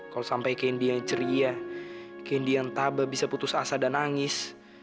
kalau sampai candy yang ceria candy yang tabah bisa putus asa dan nangis